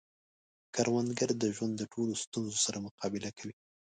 کروندګر د ژوند د ټولو ستونزو سره مقابله کوي